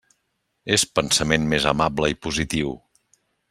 És pensament més amable i positiu.